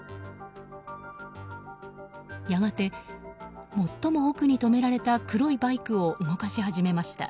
やがて、最も奥に止められた黒いバイクを動かし始めました。